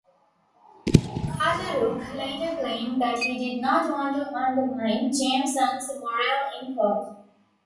Carter-Ruck later claimed that he did not want to undermine Jameson's morale in court.